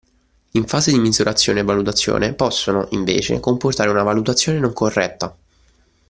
In fase di misurazione e valutazione possono, invece, comportare una valutazione non corretta